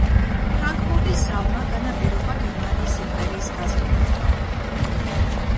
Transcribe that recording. ფრანკფურტის ზავმა განაპირობა გერმანიის იმპერიის გაძლიერება.